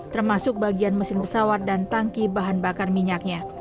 termasuk bagian mesin pesawat dan tangki bahan bakar minyaknya